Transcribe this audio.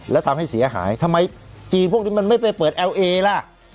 แล้วทำให้เสียหายทำไมจีนพวกนี้มันไม่ไปเปิดเอลเอล่ะ